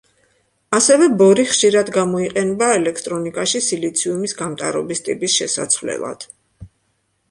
ასევე ბორი ხშირად გამოიყენება ელექტრონიკაში სილიციუმის გამტარობის ტიპის შესაცვლელად.